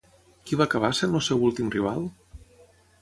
Qui va acabar sent el seu últim rival?